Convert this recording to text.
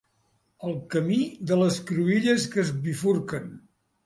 El camí de les cruïlles que es bifurquen.